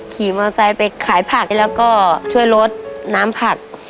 ขี่มอเซลล์ไปขายผักแล้วก็ช่วยรถน้ำผัก